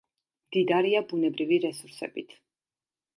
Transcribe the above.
მდიდარია ბუნებრივი რესურსებით.